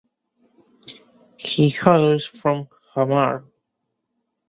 He hails from Hamar.